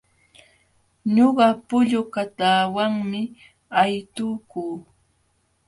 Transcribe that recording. Ñuqa pullu kataawanmi aytukuu.